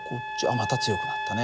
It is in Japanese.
また強くなったね。